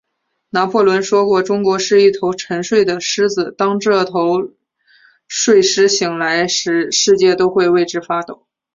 拿破仑说过，中国是一头沉睡的狮子，当这头睡狮醒来时，世界都会为之发抖。